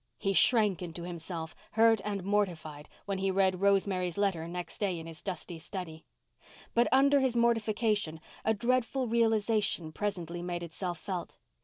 He shrank into himself, hurt and mortified, when he read Rosemary's letter next day in his dusty study. But under his mortification a dreadful realization presently made itself felt.